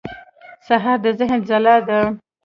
سهار د ذهن ځلا ده.